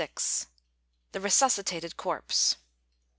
THE RESUSCITATED CORPSE.